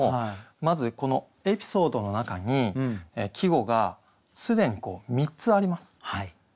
まずこのエピソードの中に季語が既に３つあります。